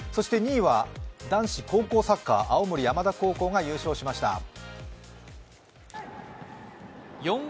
２位は、男子高校サッカー、青森山田高校が優勝しました。